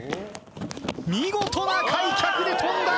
見事な開脚で跳んだ！